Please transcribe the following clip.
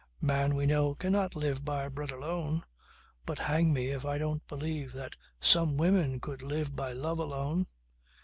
Man, we know, cannot live by bread alone but hang me if I don't believe that some women could live by love alone.